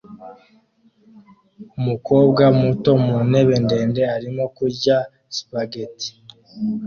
Umukobwa muto mu ntebe ndende arimo kurya spaghetti